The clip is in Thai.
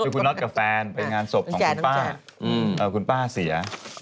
คือคุณน็อตกับแฟนไปงานศพของคุณป้าคุณป้าเสีย